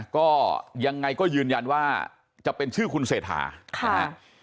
ก็ยังไงก็ยืนยันว่าจะเป็นชื่อคุณเสถาธวีสินค่ะ